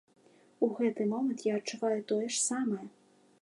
У гэты момант я адчуваю тое ж самае!